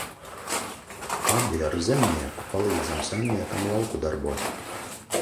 Abi ar Zemnieku palīdzam saimniekam lauku darbos.